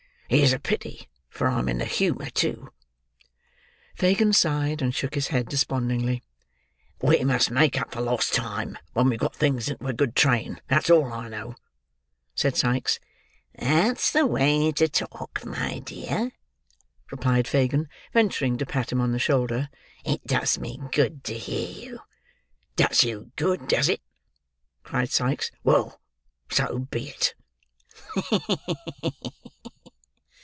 "It is a pity, for I'm in the humour too." Fagin sighed, and shook his head despondingly. "We must make up for lost time when we've got things into a good train. That's all I know," said Sikes. "That's the way to talk, my dear," replied Fagin, venturing to pat him on the shoulder. "It does me good to hear you." "Does you good, does it!" cried Sikes. "Well, so be it."